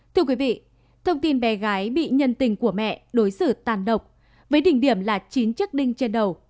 thưa quý vị thông tin bé gái bị nhân tình của mẹ đối xử tàn độc với đỉnh điểm là chín chiếc đinh trên đầu